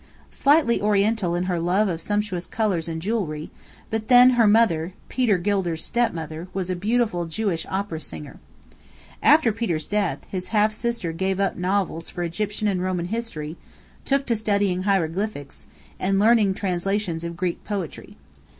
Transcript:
slightly oriental in her love of sumptuous colours and jewellery; but then her mother (Peter Gilder's step mother) was a beautiful Jewish opera singer. After Peter's death, his half sister gave up novels for Egyptian and Roman history, took to studying hieroglyphics, and learning translations of Greek poetry.